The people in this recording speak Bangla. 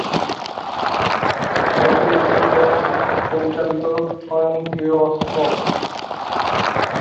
এটি একটি গ্যাস পরিচালিত স্বয়ংক্রিয় অস্ত্র।